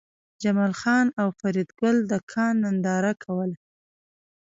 جمال خان او فریدګل د کان ننداره کوله